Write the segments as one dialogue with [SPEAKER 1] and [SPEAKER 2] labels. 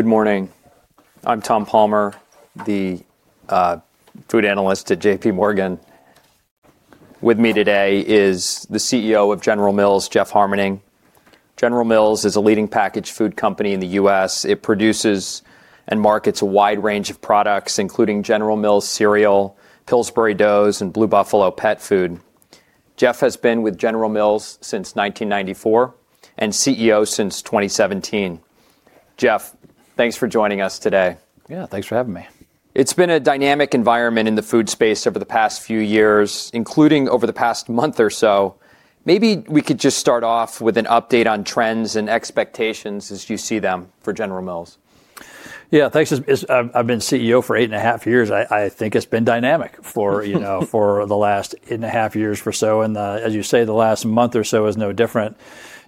[SPEAKER 1] Good morning. I'm Tom Palmer, the Food Analyst at J.P. Morgan. With me today is the CEO of General Mills, Jeff Harmening. General Mills is a leading packaged food company in the U.S. It produces and markets a wide range of products, including General Mills Cereal, Pillsbury Doughs, and Blue Buffalo Pet Food. Jeff has been with General Mills since 1994 and CEO since 2017. Jeff, thanks for joining us today.
[SPEAKER 2] Yeah, thanks for having me.
[SPEAKER 1] It's been a dynamic environment in the food space over the past few years, including over the past month or so. Maybe we could just start off with an update on trends and expectations as you see them for General Mills.
[SPEAKER 2] Yeah, thanks. I've been CEO for eight and a half years. I think it's been dynamic for the last eight and a half years or so. As you say, the last month or so is no different.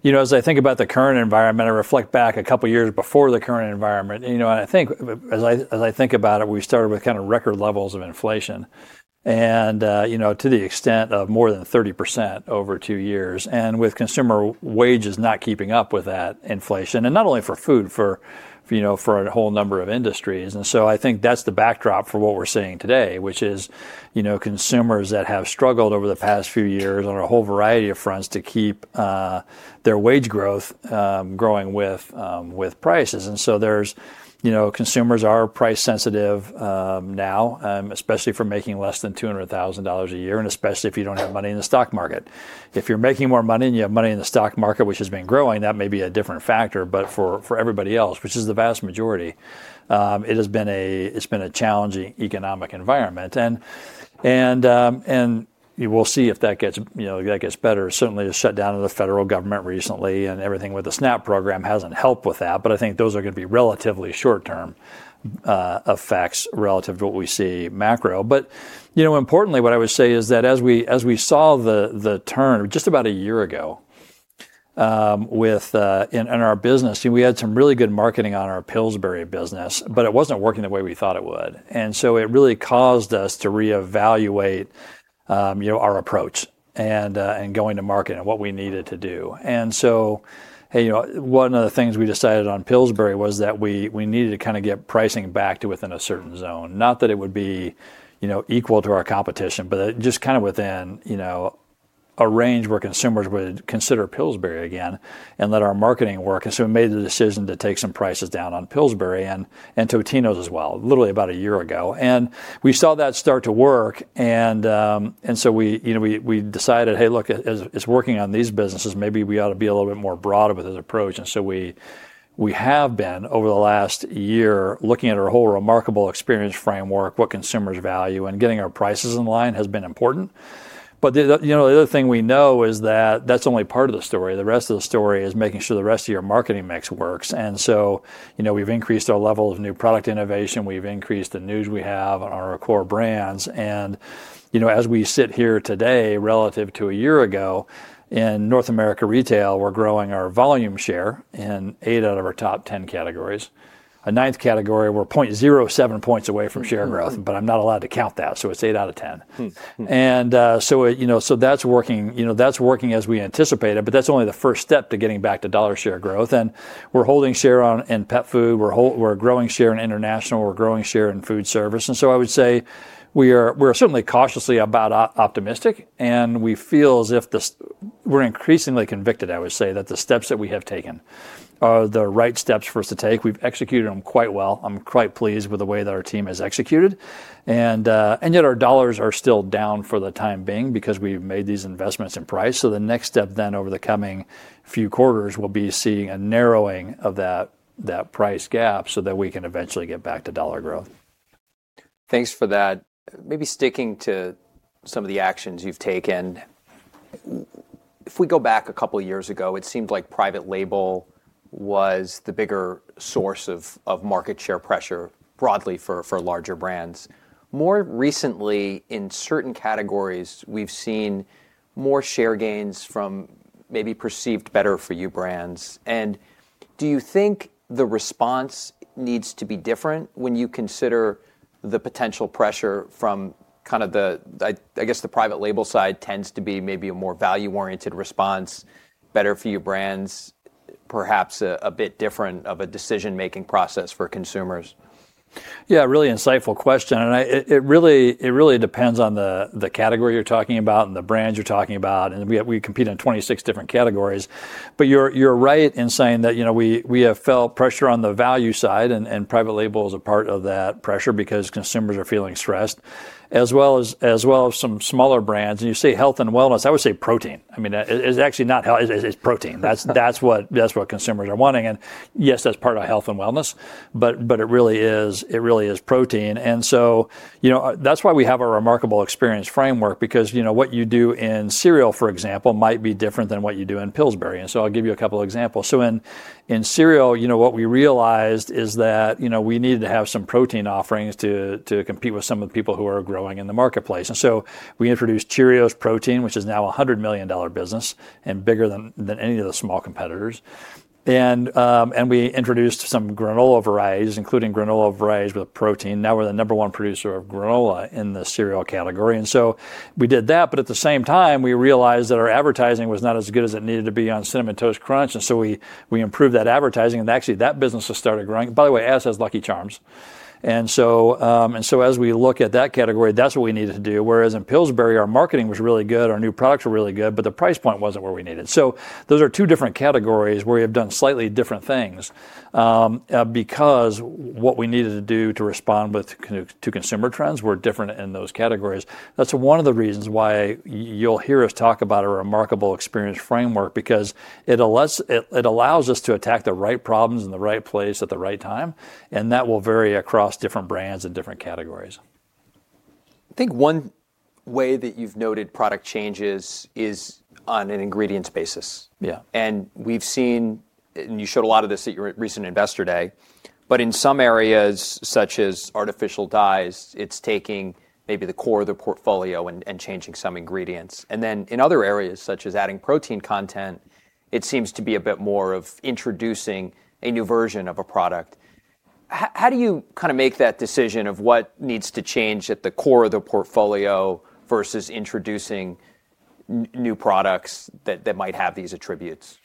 [SPEAKER 2] You know, as I think about the current environment, I reflect back a couple of years before the current environment. You know, and I think, as I think about it, we started with kind of record levels of inflation and to the extent of more than 30% over two years. With consumer wages not keeping up with that inflation, and not only for food, for a whole number of industries. I think that's the backdrop for what we're seeing today, which is consumers that have struggled over the past few years on a whole variety of fronts to keep their wage growth growing with prices. Consumers are price sensitive now, especially if you're making less than $200,000 a year, and especially if you don't have money in the stock market. If you're making more money and you have money in the stock market, which has been growing, that may be a different factor. For everybody else, which is the vast majority, it has been a challenging economic environment. We'll see if that gets better. Certainly, a shutdown of the federal government recently and everything with the SNAP program hasn't helped with that. I think those are going to be relatively short-term effects relative to what we see macro. Importantly, what I would say is that as we saw the turn just about a year ago in our business, we had some really good marketing on our Pillsbury business, but it wasn't working the way we thought it would. It really caused us to reevaluate our approach and going to market and what we needed to do. One of the things we decided on Pillsbury was that we needed to kind of get pricing back to within a certain zone. Not that it would be equal to our competition, but just kind of within a range where consumers would consider Pillsbury again and let our marketing work. We made the decision to take some prices down on Pillsbury and Totino's as well, literally about a year ago. We saw that start to work. We decided, hey, look, it's working on these businesses. Maybe we ought to be a little bit more broad with this approach. We have been over the last year looking at our whole Remarkable Experience Framework, what consumers value, and getting our prices in line has been important. The other thing we know is that that's only part of the story. The rest of the story is making sure the rest of your marketing mix works. We have increased our level of new product innovation. We have increased the news we have on our core brands. As we sit here today relative to a year ago in North America retail, we're growing our volume share in eight out of our top 10 categories. A ninth category, we're 0.07 points away from share growth, but I'm not allowed to count that. It is eight out of 10. That is working as we anticipate it, but that's only the first step to getting back to dollar share growth. We're holding share in pet food. We're growing share in international. We're growing share in food service. I would say we are certainly cautiously optimistic. We feel as if we're increasingly convicted, I would say, that the steps that we have taken are the right steps for us to take. We've executed them quite well. I'm quite pleased with the way that our team has executed. Yet our dollars are still down for the time being because we've made these investments in price. The next step then over the coming few quarters will be seeing a narrowing of that price gap so that we can eventually get back to dollar growth.
[SPEAKER 1] Thanks for that. Maybe sticking to some of the actions you've taken. If we go back a couple of years ago, it seemed like private label was the bigger source of market share pressure broadly for larger brands. More recently, in certain categories, we've seen more share gains from maybe perceived better-for-you brands. Do you think the response needs to be different when you consider the potential pressure from kind of the, I guess, the private label side tends to be maybe a more value-oriented response, better-for-you brands, perhaps a bit different of a decision-making process for consumers?
[SPEAKER 2] Yeah, really insightful question. It really depends on the category you're talking about and the brands you're talking about. We compete in 26 different categories. You're right in saying that we have felt pressure on the value side, and private label is a part of that pressure because consumers are feeling stressed, as well as some smaller brands. You say health and wellness, I would say protein. I mean, it's actually not health; it's protein. That's what consumers are wanting. Yes, that's part of health and wellness, but it really is protein. That's why we have our Remarkable Experience Framework, because what you do in cereal, for example, might be different than what you do in Pillsbury. I'll give you a couple of examples. In cereal, what we realized is that we needed to have some protein offerings to compete with some of the people who are growing in the marketplace. We introduced Cheerios Protein, which is now a $100 million business and bigger than any of the small competitors. We introduced some granola varieties, including granola varieties with protein. Now we are the number one producer of granola in the cereal category. We did that. At the same time, we realized that our advertising was not as good as it needed to be on Cinnamon Toast Crunch. We improved that advertising. Actually, that business has started growing. By the way, same as Lucky Charms. As we look at that category, that is what we needed to do. Whereas in Pillsbury, our marketing was really good, our new products were really good, but the price point was not where we needed. Those are two different categories where we have done slightly different things because what we needed to do to respond to consumer trends were different in those categories. That is one of the reasons why you will hear us talk about our Remarkable Experience Framework, because it allows us to attack the right problems in the right place at the right time. That will vary across different brands and different categories.
[SPEAKER 1] I think one way that you've noted product changes is on an ingredients basis.
[SPEAKER 2] Yeah.
[SPEAKER 1] We have seen, and you showed a lot of this at your recent investor day. In some areas, such as artificial dyes, it is taking maybe the core of the portfolio and changing some ingredients. In other areas, such as adding protein content, it seems to be a bit more of introducing a new version of a product. How do you kind of make that decision of what needs to change at the core of the portfolio versus introducing new products that might have these attributes?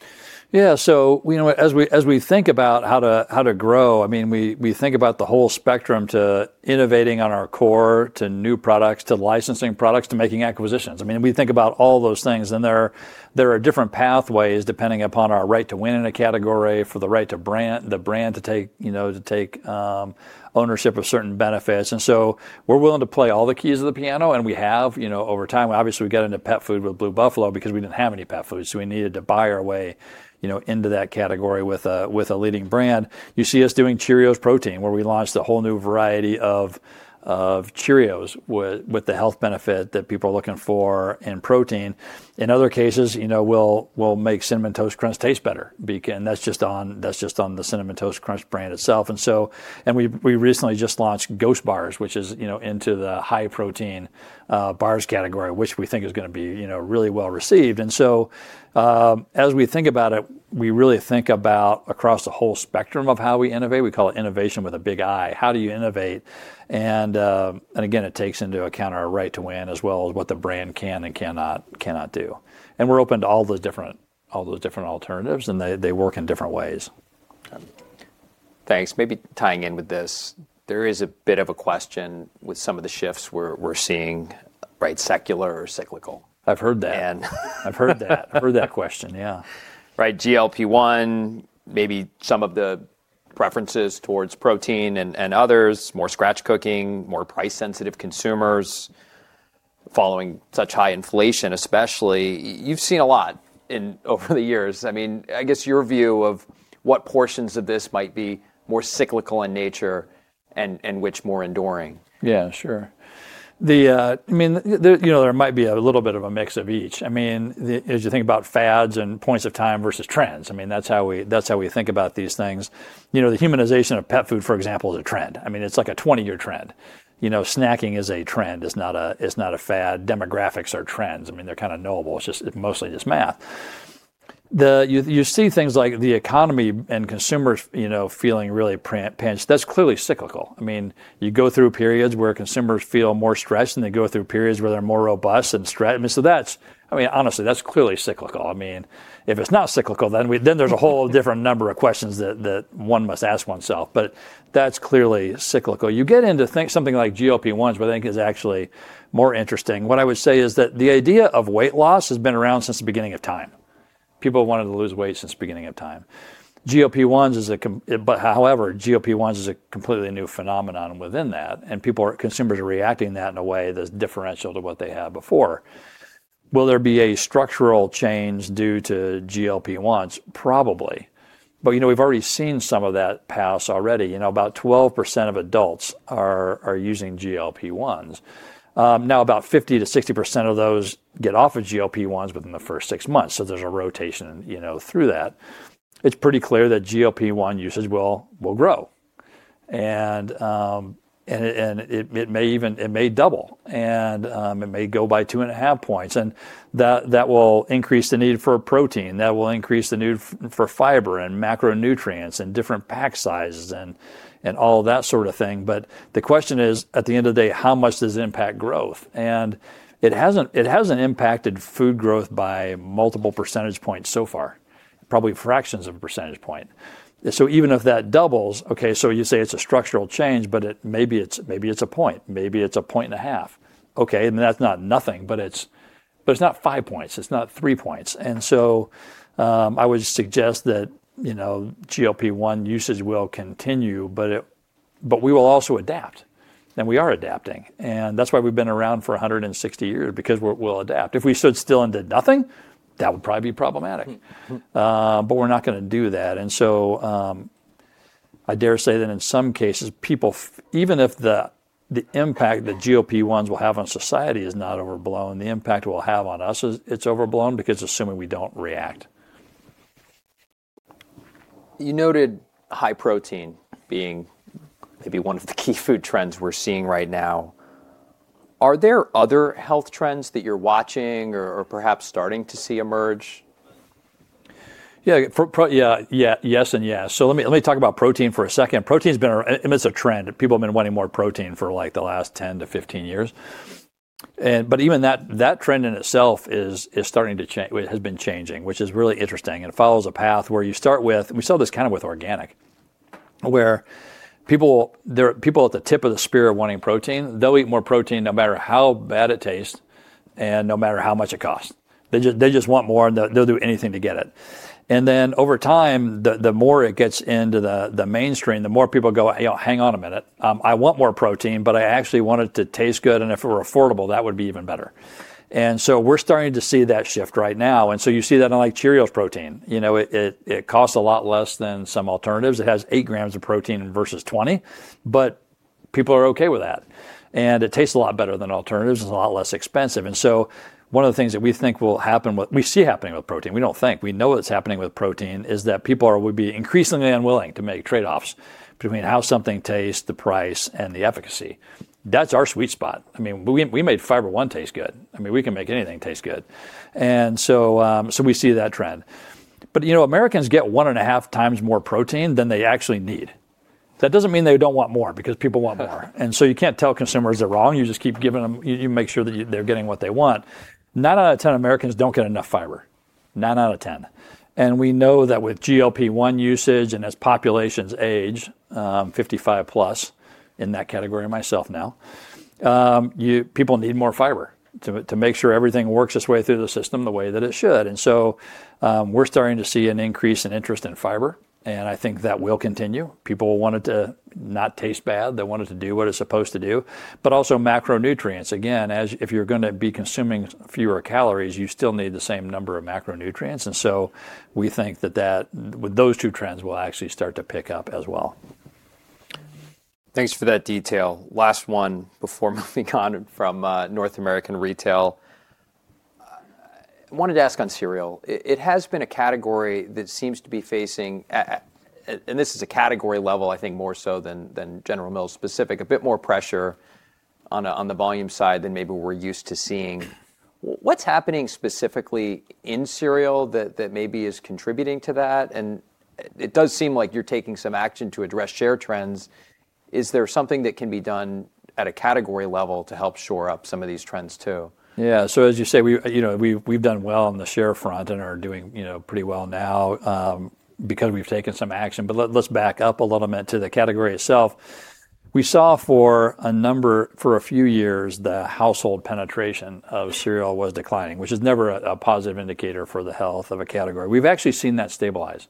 [SPEAKER 2] Yeah. As we think about how to grow, I mean, we think about the whole spectrum to innovating on our core to new products to licensing products to making acquisitions. I mean, we think about all those things. There are different pathways depending upon our right to win in a category for the right to the brand to take ownership of certain benefits. We are willing to play all the keys of the piano. We have over time, obviously, we got into pet food with Blue Buffalo because we did not have any pet foods. We needed to buy our way into that category with a leading brand. You see us doing Cheerios Protein, where we launched a whole new variety of Cheerios with the health benefit that people are looking for in protein. In other cases, we will make Cinnamon Toast Crunch taste better. That is just on the Cinnamon Toast Crunch brand itself. We recently just launched Ghost Bars, which is into the high protein bars category, which we think is going to be really well received. As we think about it, we really think about across the whole spectrum of how we innovate. We call it innovation with a big I. How do you innovate? It takes into account our right to win as well as what the brand can and cannot do. We are open to all those different alternatives, and they work in different ways.
[SPEAKER 1] Thanks. Maybe tying in with this, there is a bit of a question with some of the shifts we're seeing, right? Secular or cyclical?
[SPEAKER 2] I've heard that question, yeah.
[SPEAKER 1] Right. GLP-1, maybe some of the preferences towards protein and others, more scratch cooking, more price-sensitive consumers following such high inflation, especially. You've seen a lot over the years. I mean, I guess your view of what portions of this might be more cyclical in nature and which more enduring?
[SPEAKER 2] Yeah, sure. I mean, there might be a little bit of a mix of each. I mean, as you think about fads and points of time versus trends, I mean, that's how we think about these things. The humanization of pet food, for example, is a trend. I mean, it's like a 20-year trend. Snacking is a trend. It's not a fad. Demographics are trends. I mean, they're kind of knowable. It's just mostly just math. You see things like the economy and consumers feeling really pinched. That's clearly cyclical. I mean, you go through periods where consumers feel more stressed and they go through periods where they're more robust and stressed. I mean, that's, honestly, that's clearly cyclical. I mean, if it's not cyclical, then there's a whole different number of questions that one must ask oneself. That's clearly cyclical. You get into something like GLP-1s, but I think it's actually more interesting. What I would say is that the idea of weight loss has been around since the beginning of time. People wanted to lose weight since the beginning of time. GLP-1s is a, but however, GLP-1s is a completely new phenomenon within that. And consumers are reacting to that in a way that's differential to what they had before. Will there be a structural change due to GLP-1s? Probably. But we've already seen some of that pass already. About 12% of adults are using GLP-1s. Now, about 50%-60% of those get off of GLP-1s within the first six months. So there's a rotation through that. It's pretty clear that GLP-1 usage will grow. And it may double. And it may go by two and a half points. And that will increase the need for protein. That will increase the need for fiber and macronutrients and different pack sizes and all of that sort of thing. The question is, at the end of the day, how much does it impact growth? It has not impacted food growth by multiple percentage points so far, probably fractions of a percentage point. Even if that doubles, okay, you say it is a structural change, but maybe it is a point. Maybe it is a point and a half. That is not nothing, but it is not five points. It is not three points. I would suggest that GLP-1 usage will continue, but we will also adapt. We are adapting. That is why we have been around for 160 years, because we will adapt. If we stood still and did nothing, that would probably be problematic. We are not going to do that. I dare say that in some cases, people, even if the impact that GLP-1s will have on society is not overblown, the impact it will have on us, it's overblown because assuming we don't react.
[SPEAKER 1] You noted high protein being maybe one of the key food trends we're seeing right now. Are there other health trends that you're watching or perhaps starting to see emerge?
[SPEAKER 2] Yeah. Yeah. Yes and yes. Let me talk about protein for a second. Protein's been a, I mean, it's a trend. People have been wanting more protein for like the last 10 to 15 years. Even that trend in itself is starting to change, has been changing, which is really interesting. It follows a path where you start with, we saw this kind of with organic, where people at the tip of the spear wanting protein, they'll eat more protein no matter how bad it tastes and no matter how much it costs. They just want more, and they'll do anything to get it. Over time, the more it gets into the mainstream, the more people go, "Hang on a minute. I want more protein, but I actually want it to taste good. If it were affordable, that would be even better. We're starting to see that shift right now. You see that on like Cheerios Protein. It costs a lot less than some alternatives. It has eight grams of protein versus 20, but people are okay with that. It tastes a lot better than alternatives. It is a lot less expensive. One of the things that we think will happen, we see happening with protein, we do not think, we know what is happening with protein, is that people will be increasingly unwilling to make trade-offs between how something tastes, the price, and the efficacy. That is our sweet spot. I mean, we made Fiber One taste good. I mean, we can make anything taste good. We see that trend. Americans get one and a half times more protein than they actually need. That does not mean they do not want more, because people want more. You cannot tell consumers they are wrong. You just keep giving them, you make sure that they are getting what they want. Nine out of ten Americans do not get enough fiber. Nine out of ten. We know that with GLP-1 usage and as populations age, 55 plus in that category myself now, people need more fiber to make sure everything works its way through the system the way that it should. We are starting to see an increase in interest in fiber. I think that will continue. People want it to not taste bad. They want it to do what it is supposed to do. Also macronutrients. Again, if you are going to be consuming fewer calories, you still need the same number of macronutrients. We think that those two trends will actually start to pick up as well.
[SPEAKER 1] Thanks for that detail. Last one before moving on from North American retail. I wanted to ask on cereal. It has been a category that seems to be facing, and this is a category level, I think more so than General Mills specific, a bit more pressure on the volume side than maybe we're used to seeing. What's happening specifically in cereal that maybe is contributing to that? It does seem like you're taking some action to address share trends. Is there something that can be done at a category level to help shore up some of these trends too?
[SPEAKER 2] Yeah. As you say, we've done well on the share front and are doing pretty well now because we've taken some action. Let's back up a little bit to the category itself. We saw for a few years, the household penetration of cereal was declining, which is never a positive indicator for the health of a category. We've actually seen that stabilize.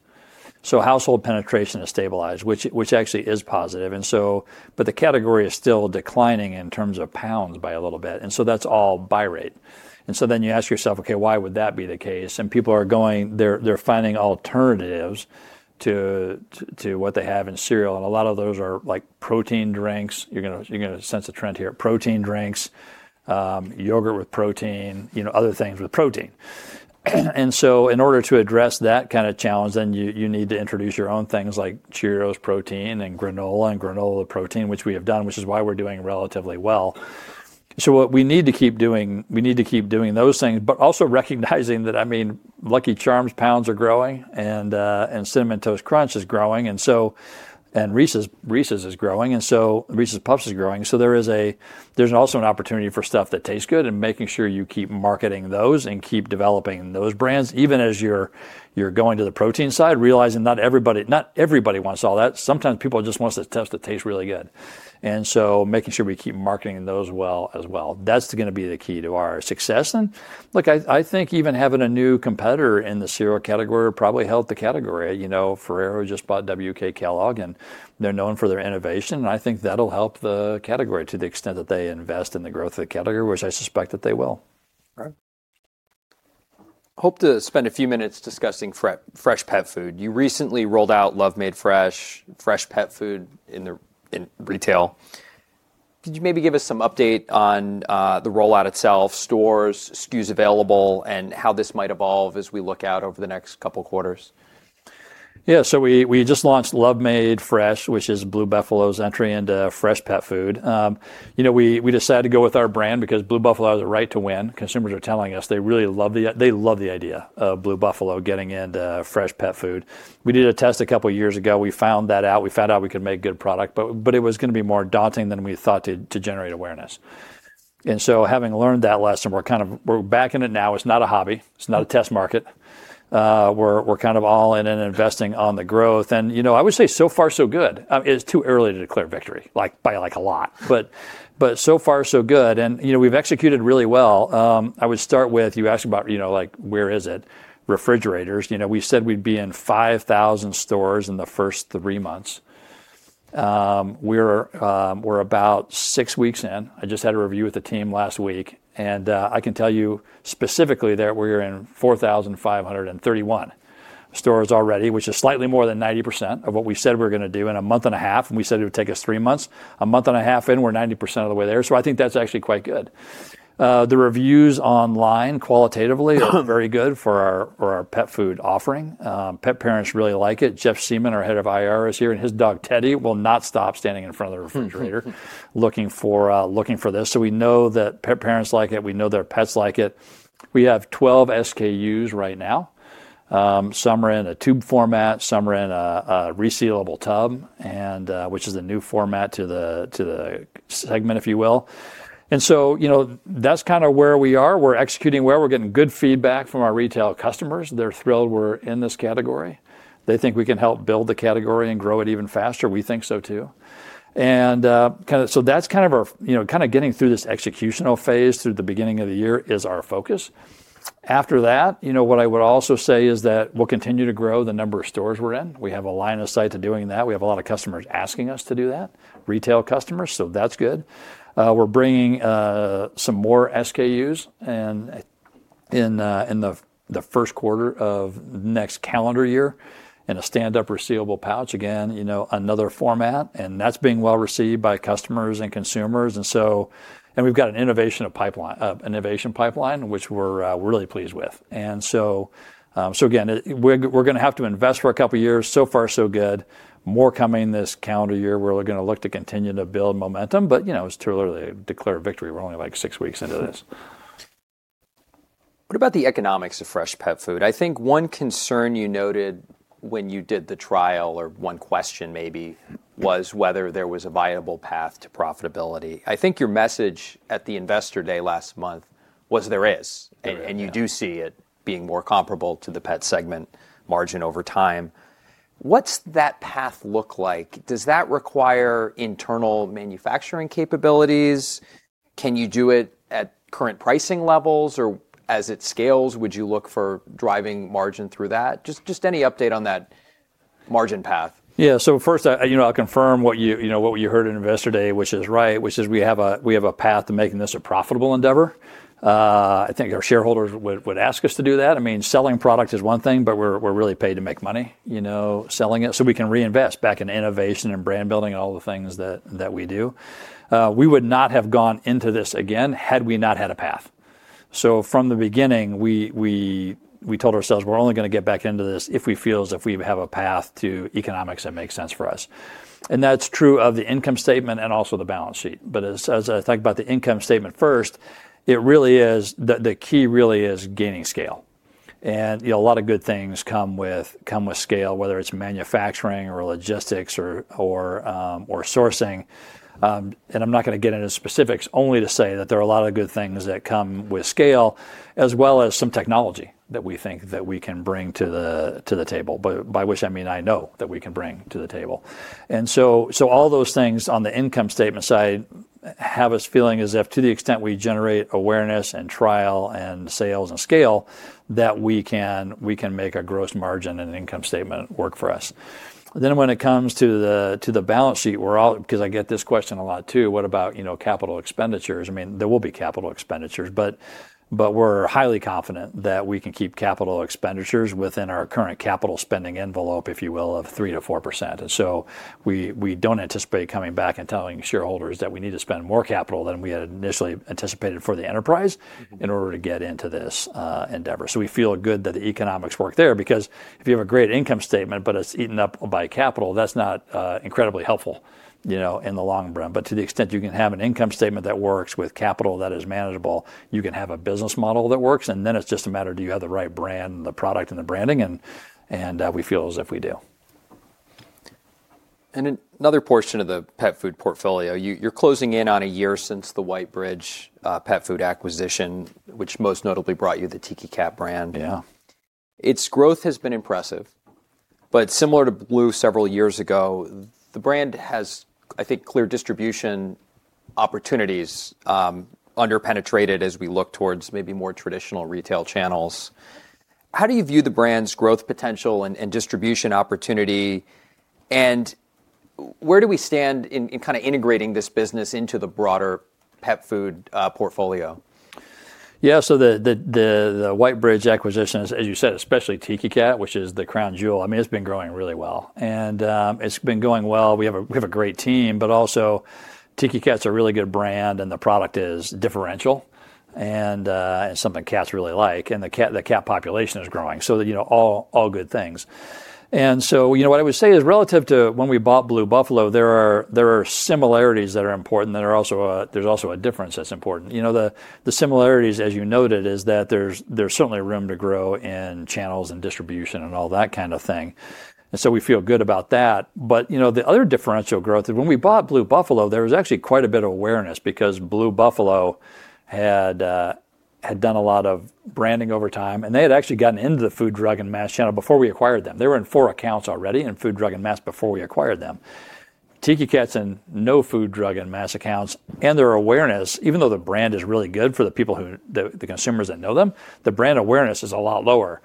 [SPEAKER 2] Household penetration has stabilized, which actually is positive. The category is still declining in terms of pounds by a little bit. That is all by rate. You ask yourself, okay, why would that be the case? People are going, they're finding alternatives to what they have in cereal. A lot of those are like protein drinks. You're going to sense a trend here. Protein drinks, yogurt with protein, other things with protein. In order to address that kind of challenge, you need to introduce your own things like Cheerios Protein and Granola and Granola Protein, which we have done, which is why we're doing relatively well. What we need to keep doing, we need to keep doing those things, but also recognizing that, I mean, Lucky Charms pounds are growing and Cinnamon Toast Crunch is growing and Reese's is growing and so Reese's Puffs is growing. There is also an opportunity for stuff that tastes good and making sure you keep marketing those and keep developing those brands, even as you're going to the protein side, realizing not everybody wants all that. Sometimes people just want stuff that tastes really good. Making sure we keep marketing those well as well, that's going to be the key to our success. Look, I think even having a new competitor in the cereal category probably helped the category. Ferrero just bought WK Kellogg, and they're known for their innovation. I think that'll help the category to the extent that they invest in the growth of the category, which I suspect that they will.
[SPEAKER 1] Right. Hope to spend a few minutes discussing fresh pet food. You recently rolled out Love Made Fresh, fresh pet food in retail. Could you maybe give us some update on the rollout itself, stores, SKUs available, and how this might evolve as we look out over the next couple of quarters?
[SPEAKER 2] Yeah. So we just launched Love Made Fresh, which is Blue Buffalo's entry into fresh pet food. We decided to go with our brand because Blue Buffalo has a right to win. Consumers are telling us they really love the idea of Blue Buffalo getting into fresh pet food. We did a test a couple of years ago. We found that out. We found out we could make good product, but it was going to be more daunting than we thought to generate awareness. Having learned that lesson, we're kind of, we're backing it now. It's not a hobby. It's not a test market. We're kind of all in and investing on the growth. I would say so far, so good. It's too early to declare victory by like a lot. So far, so good. We've executed really well. I would start with, you asked about like where is it, refrigerators. We said we'd be in 5,000 stores in the first three months. We're about six weeks in. I just had a review with the team last week. I can tell you specifically that we're in 4,531 stores already, which is slightly more than 90% of what we said we were going to do in a month and a half. We said it would take us three months. A month and a half in, we're 90% of the way there. I think that's actually quite good. The reviews online qualitatively are very good for our pet food offering. Pet parents really like it. Jeff Seaman, our Head of IR, is here, and his dog, Teddy, will not stop standing in front of the refrigerator looking for this. We know that pet parents like it. We know their pets like it. We have 12 SKUs right now. Some are in a tube format. Some are in a resealable tub, which is the new format to the segment, if you will. That is kind of where we are. We are executing well. We are getting good feedback from our retail customers. They are thrilled we are in this category. They think we can help build the category and grow it even faster. We think so too. That is kind of our, kind of getting through this executional phase through the beginning of the year is our focus. After that, what I would also say is that we will continue to grow the number of stores we are in. We have a line of sight to doing that. We have a lot of customers asking us to do that, retail customers. That is good. We're bringing some more SKUs in the first quarter of next calendar year in a stand-up resealable pouch. Again, another format. That's being well received by customers and consumers. We've got an innovation pipeline, which we're really pleased with. We're going to have to invest for a couple of years. So far, so good. More coming this calendar year where we're going to look to continue to build momentum. It's too early to declare victory. We're only like six weeks into this.
[SPEAKER 1] What about the economics of fresh pet food? I think one concern you noted when you did the trial or one question maybe was whether there was a viable path to profitability. I think your message at the investor day last month was there is, and you do see it being more comparable to the pet segment margin over time. What's that path look like? Does that require internal manufacturing capabilities? Can you do it at current pricing levels? As it scales, would you look for driving margin through that? Just any update on that margin path.
[SPEAKER 2] Yeah. First, I'll confirm what you heard at investor day, which is right, which is we have a path to making this a profitable endeavor. I think our shareholders would ask us to do that. I mean, selling product is one thing, but we're really paid to make money selling it so we can reinvest back in innovation and brand building and all the things that we do. We would not have gone into this again had we not had a path. From the beginning, we told ourselves we're only going to get back into this if we feel as if we have a path to economics that makes sense for us. That's true of the income statement and also the balance sheet. As I talk about the income statement first, it really is, the key really is gaining scale. A lot of good things come with scale, whether it's manufacturing or logistics or sourcing. I'm not going to get into specifics, only to say that there are a lot of good things that come with scale, as well as some technology that we think that we can bring to the table, by which I mean I know that we can bring to the table. All those things on the income statement side have us feeling as if to the extent we generate awareness and trial and sales and scale, that we can make a gross margin and income statement work for us. When it comes to the balance sheet, we're all, because I get this question a lot too, what about capital expenditures? I mean, there will be capital expenditures, but we're highly confident that we can keep capital expenditures within our current capital spending envelope, if you will, of 3%-4%. We do not anticipate coming back and telling shareholders that we need to spend more capital than we had initially anticipated for the enterprise in order to get into this endeavor. We feel good that the economics work there because if you have a great income statement, but it's eaten up by capital, that's not incredibly helpful in the long run. To the extent you can have an income statement that works with capital that is manageable, you can have a business model that works. It is just a matter of do you have the right brand and the product and the branding. We feel as if we do.
[SPEAKER 1] Another portion of the pet food portfolio, you're closing in on a year since the White Bridge Pet Brands acquisition, which most notably brought you the Tiki Cat brand.
[SPEAKER 2] Yeah.
[SPEAKER 1] Its growth has been impressive, but similar to Blue several years ago, the brand has, I think, clear distribution opportunities, underpenetrated as we look towards maybe more traditional retail channels. How do you view the brand's growth potential and distribution opportunity? Where do we stand in kind of integrating this business into the broader pet food portfolio?
[SPEAKER 2] Yeah. The White Bridge acquisition, as you said, especially Tiki Cat, which is the crown jewel, I mean, it's been growing really well. It's been going well. We have a great team, but also Tiki Cat's a really good brand and the product is differential and something cats really like. The cat population is growing. All good things. What I would say is relative to when we bought Blue Buffalo, there are similarities that are important. There's also a difference that's important. The similarities, as you noted, is that there's certainly room to grow in channels and distribution and all that kind of thing. We feel good about that. The other differential growth is when we bought Blue Buffalo, there was actually quite a bit of awareness because Blue Buffalo had done a lot of branding over time. They had actually gotten into the food, drug, and mass channel before we acquired them. They were in four accounts already in food, drug, and mass before we acquired them. Tiki Cat's in no food, drug, and mass accounts. Their awareness, even though the brand is really good for the people, the consumers that know them, the brand awareness is a lot lower.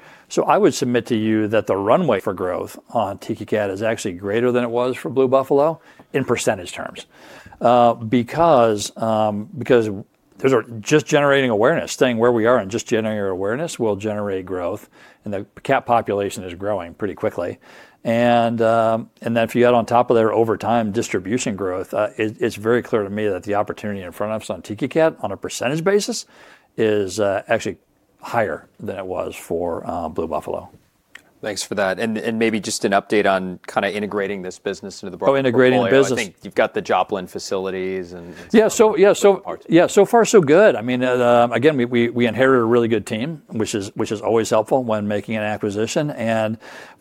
[SPEAKER 2] I would submit to you that the runway for growth on Tiki Cat is actually greater than it was for Blue Buffalo in percentage terms because just generating awareness, staying where we are and just generating awareness will generate growth. The cat population is growing pretty quickly. If you add on top of there over time distribution growth, it's very clear to me that the opportunity in front of us on Tiki Cat on a percentage basis is actually higher than it was for Blue Buffalo.
[SPEAKER 1] Thanks for that. Maybe just an update on kind of integrating this business into the broader portfolio. Integrating the business. I think you've got the Joplin facilities and.
[SPEAKER 2] Yeah. So far, so good. I mean, again, we inherited a really good team, which is always helpful when making an acquisition.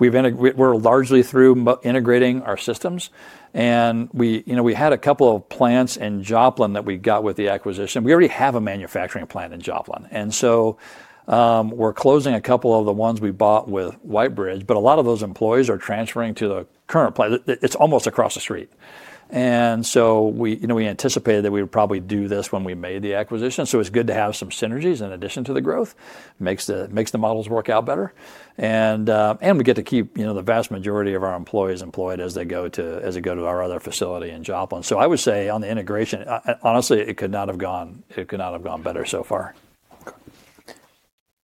[SPEAKER 2] We're largely through integrating our systems. We had a couple of plants in Joplin that we got with the acquisition. We already have a manufacturing plant in Joplin. We're closing a couple of the ones we bought with White Bridge, but a lot of those employees are transferring to the current plant. It's almost across the street. We anticipated that we would probably do this when we made the acquisition. It's good to have some synergies in addition to the growth. Makes the models work out better. We get to keep the vast majority of our employees employed as they go to our other facility in Joplin. I would say on the integration, honestly, it could not have gone better so far.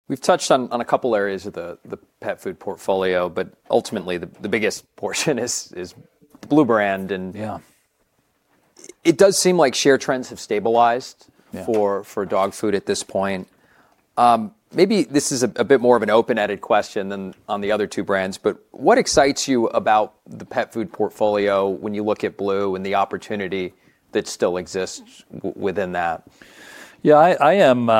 [SPEAKER 1] We've touched on a couple of areas of the pet food portfolio, but ultimately the biggest portion is Blue Brand. It does seem like share trends have stabilized for dog food at this point. Maybe this is a bit more of an open-ended question than on the other two brands. What excites you about the pet food portfolio when you look at Blue and the opportunity that still exists within that?
[SPEAKER 2] Yeah. I am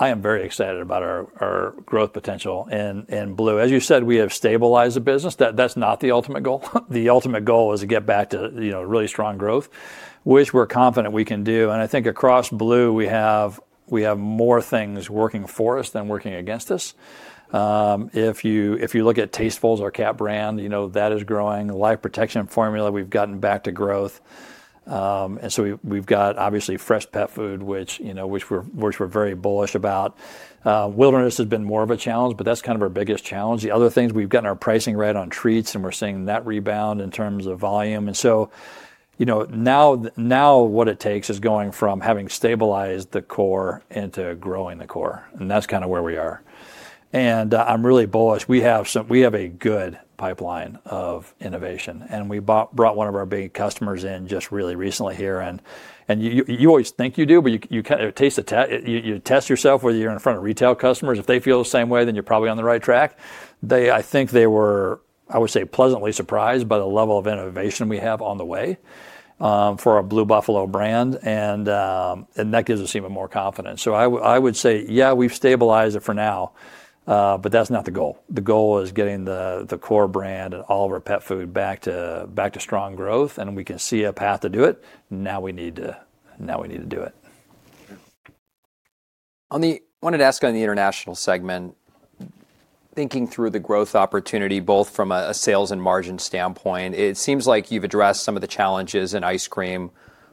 [SPEAKER 2] very excited about our growth potential in Blue. As you said, we have stabilized the business. That is not the ultimate goal. The ultimate goal is to get back to really strong growth, which we are confident we can do. I think across Blue, we have more things working for us than working against us. If you look at Tastefuls, our cat brand, that is growing. Life Protection Formula, we have gotten back to growth. We have obviously fresh pet food, which we are very bullish about. Wilderness has been more of a challenge, but that is kind of our biggest challenge. The other things, we have gotten our pricing right on treats, and we are seeing net rebound in terms of volume. Now what it takes is going from having stabilized the core into growing the core. That is kind of where we are. I am really bullish. We have a good pipeline of innovation. We brought one of our big customers in just really recently here. You always think you do, but you test yourself whether you are in front of retail customers. If they feel the same way, then you are probably on the right track. I think they were, I would say, pleasantly surprised by the level of innovation we have on the way for a Blue Buffalo brand. That gives us even more confidence. I would say, yeah, we have stabilized it for now, but that is not the goal. The goal is getting the core brand and all of our pet food back to strong growth. We can see a path to do it. Now we need to do it.
[SPEAKER 1] I wanted to ask on the international segment, thinking through the growth opportunity both from a sales and margin standpoint, it seems like you've addressed some of the challenges in ice cream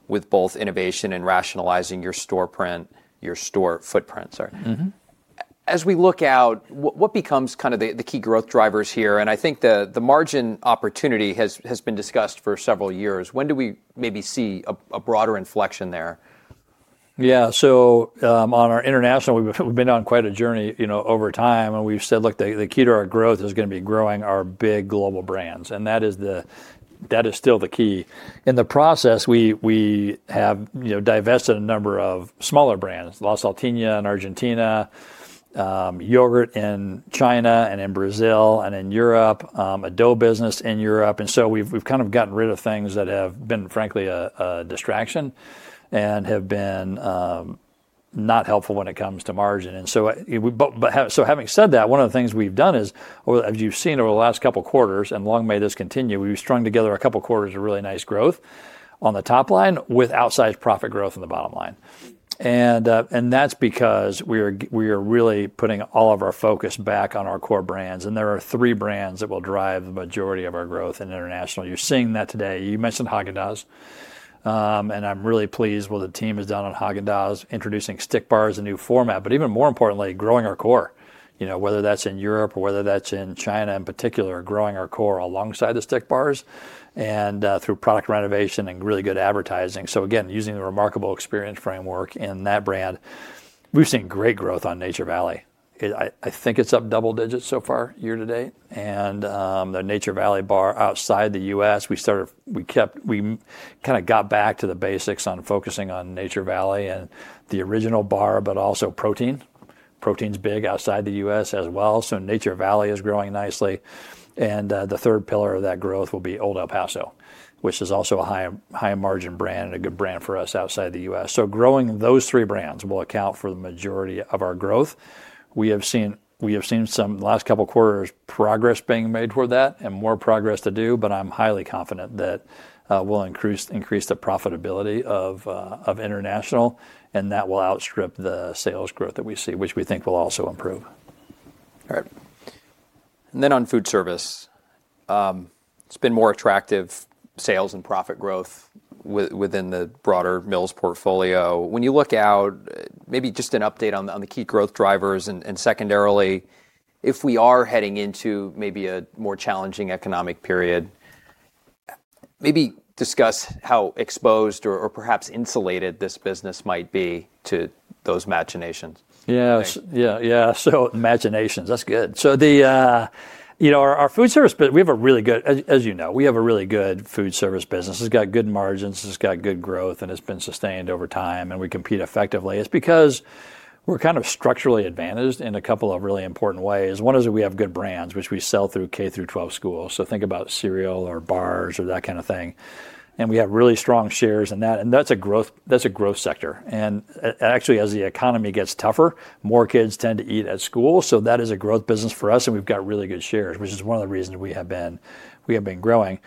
[SPEAKER 1] with both innovation and rationalizing your store footprint. As we look out, what becomes kind of the key growth drivers here? I think the margin opportunity has been discussed for several years. When do we maybe see a broader inflection there?
[SPEAKER 2] Yeah. On our international, we've been on quite a journey over time. We've said, look, the key to our growth is going to be growing our big global brands. That is still the key. In the process, we have divested a number of smaller brands, La Saltina in Argentina, yogurt in China and in Brazil and in Europe, a dough business in Europe. We've kind of gotten rid of things that have been, frankly, a distraction and have been not helpful when it comes to margin. Having said that, one of the things we've done is, as you've seen over the last couple of quarters, and long may this continue, we've strung together a couple of quarters of really nice growth on the top line with outsized profit growth in the bottom line. That is because we are really putting all of our focus back on our core brands. There are three brands that will drive the majority of our growth in international. You are seeing that today. You mentioned Häagen-Dazs. I am really pleased with what the team has done on Häagen-Dazs introducing stick bars in a new format, but even more importantly, growing our core, whether that is in Europe or whether that is in China in particular, growing our core alongside the stick bars and through product renovation and really good advertising. Again, using the Remarkable Experience Framework in that brand, we have seen great growth on Nature Valley. I think it is up double digits so far year to date. The Nature Valley bar outside the U.S., we kind of got back to the basics on focusing on Nature Valley and the original bar, but also protein. Protein's big outside the U.S. as well. Nature Valley is growing nicely. The third pillar of that growth will be Old El Paso, which is also a high margin brand and a good brand for us outside the U.S. Growing those three brands will account for the majority of our growth. We have seen some last couple of quarters progress being made toward that and more progress to do, but I'm highly confident that we'll increase the profitability of international, and that will outstrip the sales growth that we see, which we think will also improve.
[SPEAKER 1] All right. On food service, it's been more attractive sales and profit growth within the broader Mills portfolio. When you look out, maybe just an update on the key growth drivers and secondarily, if we are heading into maybe a more challenging economic period, maybe discuss how exposed or perhaps insulated this business might be to those machinations.
[SPEAKER 2] Yeah. Yeah. Yeah. So machinations. That's good. Our food service, we have a really good, as you know, we have a really good food service business. It's got good margins. It's got good growth, and it's been sustained over time, and we compete effectively. It's because we're kind of structurally advantaged in a couple of really important ways. One is that we have good brands, which we sell through K through 12 schools. Think about cereal or bars or that kind of thing. We have really strong shares in that. That is a growth sector. Actually, as the economy gets tougher, more kids tend to eat at school. That is a growth business for us, and we've got really good shares, which is one of the reasons we have been growing.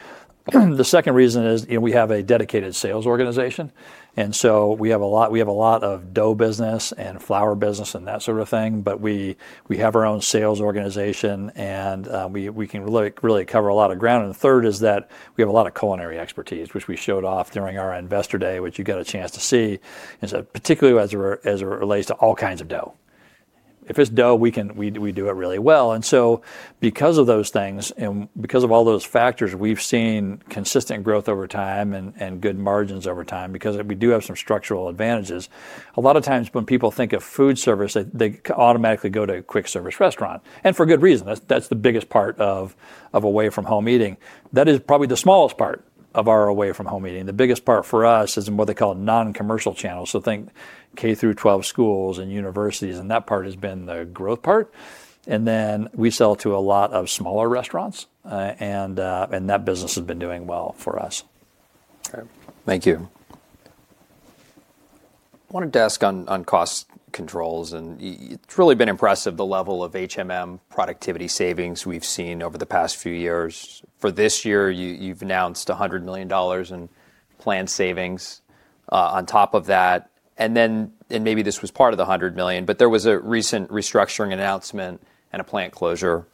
[SPEAKER 2] The second reason is we have a dedicated sales organization. We have a lot of dough business and flour business and that sort of thing, but we have our own sales organization, and we can really cover a lot of ground. The third is that we have a lot of culinary expertise, which we showed off during our investor day, which you got a chance to see, particularly as it relates to all kinds of dough. If it's dough, we do it really well. Because of those things and because of all those factors, we've seen consistent growth over time and good margins over time because we do have some structural advantages. A lot of times when people think of food service, they automatically go to a quick service restaurant. For good reason. That's the biggest part of away from home eating. That is probably the smallest part of our away from home eating. The biggest part for us is in what they call non-commercial channels. Think K through 12 schools and universities, and that part has been the growth part. Then we sell to a lot of smaller restaurants, and that business has been doing well for us.
[SPEAKER 1] Thank you. I wanted to ask on cost controls. It has really been impressive, the level of productivity savings we have seen over the past few years. For this year, you have announced $100 million in planned savings on top of that. Maybe this was part of the $100 million, but there was a recent restructuring announcement and a plant closure.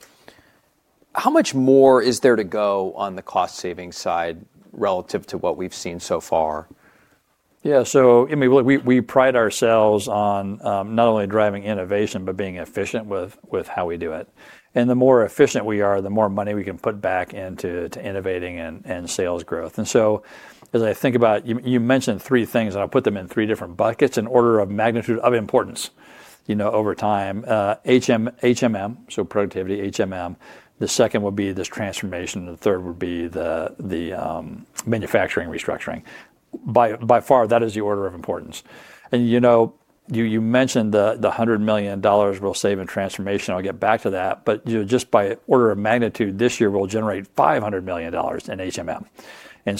[SPEAKER 1] How much more is there to go on the cost savings side relative to what we have seen so far?
[SPEAKER 2] Yeah. We pride ourselves on not only driving innovation, but being efficient with how we do it. The more efficient we are, the more money we can put back into innovating and sales growth. As I think about, you mentioned three things, and I'll put them in three different buckets in order of magnitude of importance over time. So, productivity. The second would be this transformation. The third would be the manufacturing restructuring. By far, that is the order of importance. You mentioned the $100 million we'll save in transformation. I'll get back to that. Just by order of magnitude, this year we'll generate $500 million in,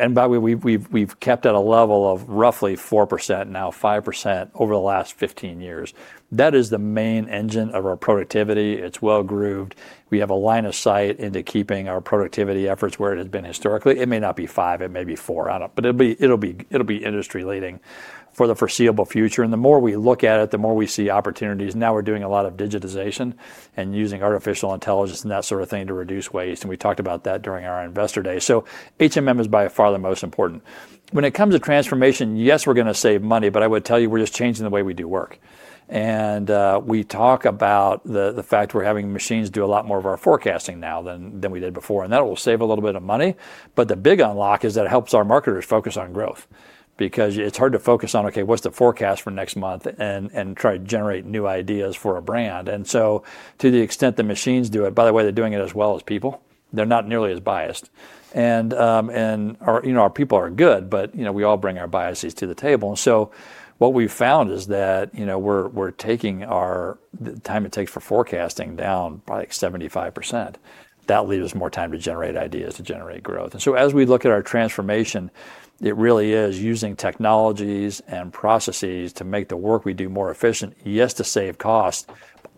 [SPEAKER 2] and by the way, we've kept at a level of roughly 4%, now 5% over the last 15 years. That is the main engine of our productivity. It's well-grooved. We have a line of sight into keeping our productivity efforts where it has been historically. It may not be five. It may be four. It will be industry-leading for the foreseeable future. The more we look at it, the more we see opportunities. Now we're doing a lot of digitization and using artificial intelligence and that sort of thing to reduce waste. We talked about that during our investor day. That is by far the most important. When it comes to transformation, yes, we're going to save money, but I would tell you we're just changing the way we do work. We talk about the fact we're having machines do a lot more of our forecasting now than we did before. That will save a little bit of money. The big unlock is that it helps our marketers focus on growth because it's hard to focus on, okay, what's the forecast for next month and try to generate new ideas for a brand. To the extent the machines do it, by the way, they're doing it as well as people. They're not nearly as biased. Our people are good, but we all bring our biases to the table. What we've found is that we're taking the time it takes for forecasting down by like 75%. That leaves us more time to generate ideas, to generate growth. As we look at our transformation, it really is using technologies and processes to make the work we do more efficient, yes, to save costs,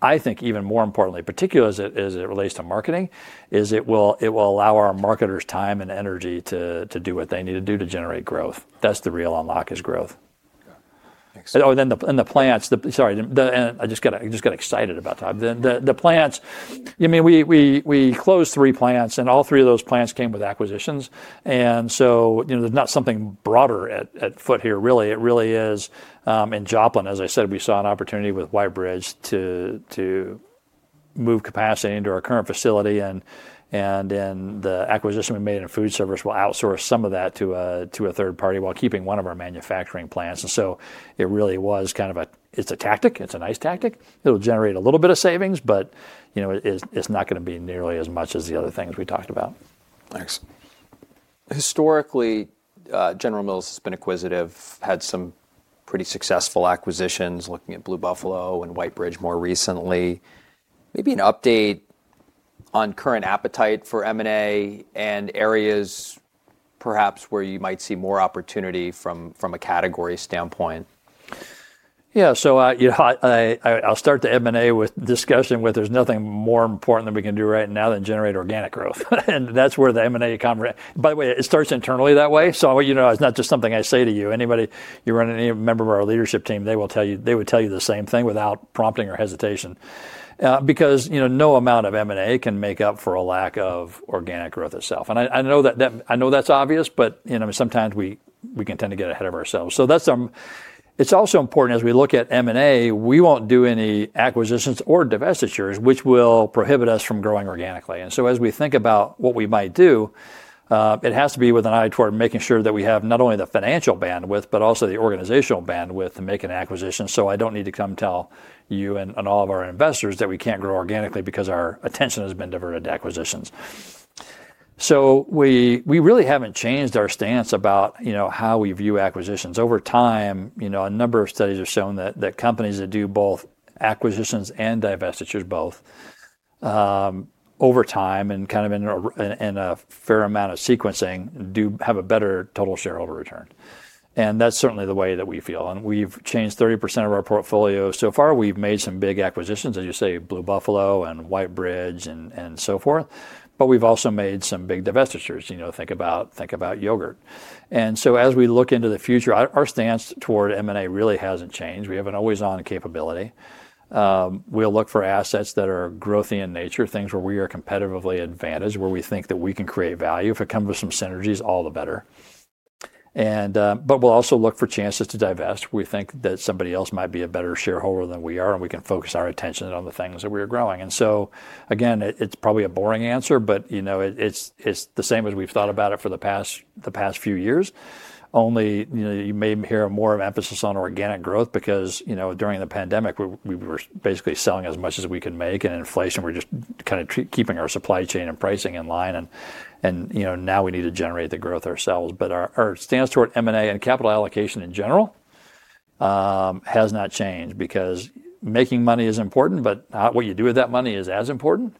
[SPEAKER 2] but I think even more importantly, particularly as it relates to marketing, is it will allow our marketers time and energy to do what they need to do to generate growth. That's the real unlock is growth. I just got excited about that. The plants, I mean, we closed three plants, and all three of those plants came with acquisitions. There is not something broader at foot here, really. It really is in Joplin, as I said, we saw an opportunity with White Bridge to move capacity into our current facility. The acquisition we made in food service will outsource some of that to a third party while keeping one of our manufacturing plants. It really was kind of a, it's a tactic. It's a nice tactic. It'll generate a little bit of savings, but it's not going to be nearly as much as the other things we talked about.
[SPEAKER 1] Thanks. Historically, General Mills has been acquisitive, had some pretty successful acquisitions, looking at Blue Buffalo and White Bridge more recently. Maybe an update on current appetite for M&A and areas perhaps where you might see more opportunity from a category standpoint.
[SPEAKER 2] Yeah. I'll start the M&A discussion where there's nothing more important that we can do right now than generate organic growth. That's where the M&A comes in. By the way, it starts internally that way. It's not just something I say to you. Anybody you run into, any member of our leadership team, they will tell you the same thing without prompting or hesitation because no amount of M&A can make up for a lack of organic growth itself. I know that's obvious, but sometimes we can tend to get ahead of ourselves. It's also important as we look at M&A, we won't do any acquisitions or divestitures which will prohibit us from growing organically. As we think about what we might do, it has to be with an eye toward making sure that we have not only the financial bandwidth, but also the organizational bandwidth to make an acquisition. I do not need to come tell you and all of our investors that we cannot grow organically because our attention has been diverted to acquisitions. We really have not changed our stance about how we view acquisitions. Over time, a number of studies have shown that companies that do both acquisitions and divestitures, both over time and kind of in a fair amount of sequencing, do have a better total shareholder return. That is certainly the way that we feel. We have changed 30% of our portfolio. So far, we have made some big acquisitions, as you say, Blue Buffalo and White Bridge and so forth, but we have also made some big divestitures. Think about yogurt. As we look into the future, our stance toward M&A really hasn't changed. We have an always-on capability. We'll look for assets that are growthy in nature, things where we are competitively advantaged, where we think that we can create value. If it comes with some synergies, all the better. We'll also look for chances to divest. We think that somebody else might be a better shareholder than we are, and we can focus our attention on the things that we are growing. Again, it's probably a boring answer, but it's the same as we've thought about it for the past few years. Only you may hear more of an emphasis on organic growth because during the pandemic, we were basically selling as much as we could make. Inflation, we're just kind of keeping our supply chain and pricing in line. Now we need to generate the growth ourselves. Our stance toward M&A and capital allocation in general has not changed because making money is important, but what you do with that money is as important.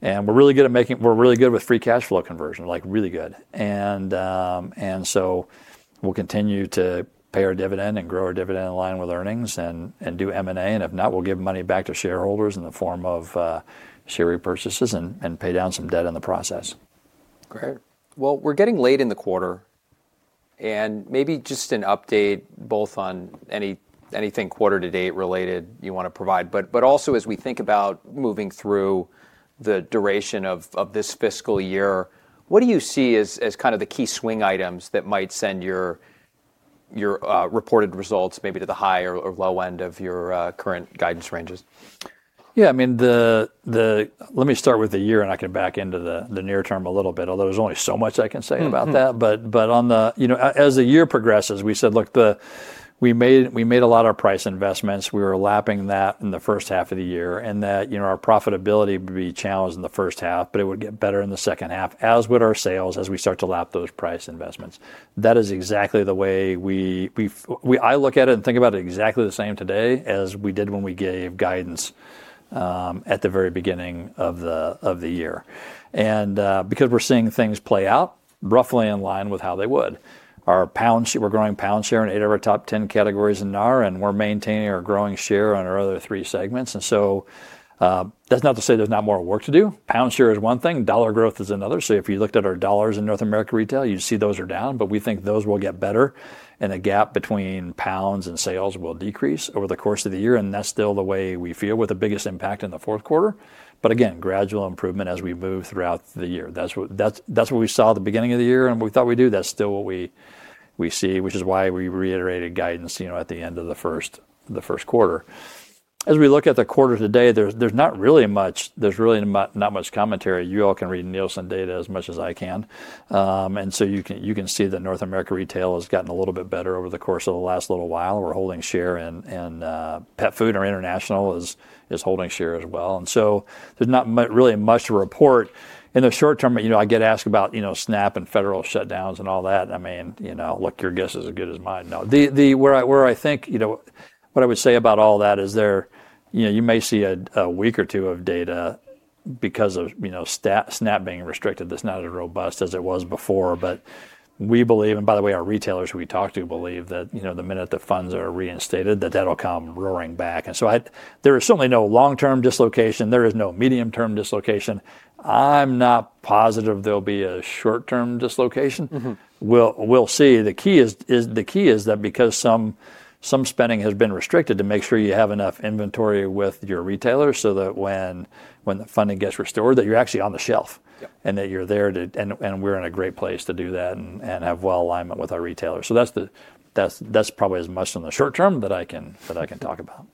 [SPEAKER 2] We are really good at making, we are really good with free cash flow conversion, like really good. We will continue to pay our dividend and grow our dividend in line with earnings and do M&A. If not, we will give money back to shareholders in the form of share repurchases and pay down some debt in the process.
[SPEAKER 1] Great. We are getting late in the quarter. Maybe just an update both on anything quarter-to-date related you want to provide, but also as we think about moving through the duration of this fiscal year, what do you see as kind of the key swing items that might send your reported results maybe to the high or low end of your current guidance ranges?
[SPEAKER 2] Yeah. I mean, let me start with the year, and I can back into the near term a little bit, although there's only so much I can say about that. As the year progresses, we said, look, we made a lot of price investments. We were lapping that in the first half of the year, and that our profitability would be challenged in the first half, but it would get better in the second half, as would our sales as we start to lap those price investments. That is exactly the way I look at it and think about it exactly the same today as we did when we gave guidance at the very beginning of the year. Because we're seeing things play out roughly in line with how they would. We're growing pound share in eight of our top 10 categories in NAR, and we're maintaining or growing share on our other three segments. That is not to say there's not more work to do. Pound share is one thing. Dollar growth is another. If you looked at our dollars in North America retail, you'd see those are down, but we think those will get better, and the gap between pounds and sales will decrease over the course of the year. That is still the way we feel with the biggest impact in the fourth quarter. Again, gradual improvement as we move throughout the year. That is what we saw at the beginning of the year, and we thought we knew that's still what we see, which is why we reiterated guidance at the end of the first quarter. As we look at the quarter today, there's not really much, there's really not much commentary. You all can read Nielsen data as much as I can. You can see that North America retail has gotten a little bit better over the course of the last little while. We're holding share, and Pet Food International is holding share as well. There's not really much to report. In the short term, I get asked about SNAP and federal shutdowns and all that. I mean, look, your guess is as good as mine. No. Where I think, what I would say about all that is there you may see a week or two of data because of SNAP being restricted. That's not as robust as it was before. We believe, and by the way, our retailers who we talk to believe that the minute the funds are reinstated, that that'll come roaring back. There is certainly no long-term dislocation. There is no medium-term dislocation. I'm not positive there'll be a short-term dislocation. We'll see. The key is that because some spending has been restricted to make sure you have enough inventory with your retailers so that when the funding gets restored, that you're actually on the shelf and that you're there. We're in a great place to do that and have well alignment with our retailers. That's probably as much in the short term that I can talk about.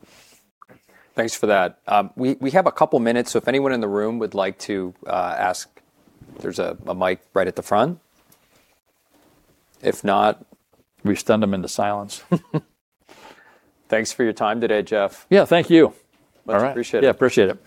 [SPEAKER 1] Thanks for that. We have a couple of minutes. If anyone in the room would like to ask, there's a mic right at the front. If not.
[SPEAKER 2] We stunned them into silence.
[SPEAKER 1] Thanks for your time today, Jeff.
[SPEAKER 2] Yeah, thank you.
[SPEAKER 1] All right.
[SPEAKER 2] Appreciate it.
[SPEAKER 1] Yeah, appreciate it.